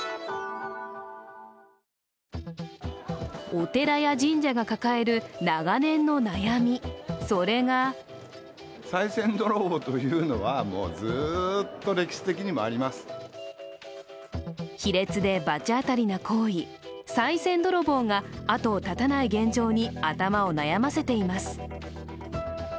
お寺や神社が抱える長年の悩み、それが卑劣で罰当たりな行為、さい銭泥棒が後を絶たない現状に頭を悩ませています。